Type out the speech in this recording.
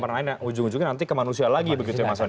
dan ujung ujungnya nanti ke manusia lagi begitu ya mas wani